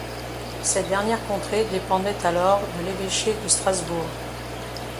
Cette dernière contrée dépendait alors de l’évêché de Strasbourg.